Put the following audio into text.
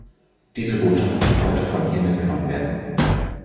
Diese Botschaft muss heute von hier mitgenommen werden.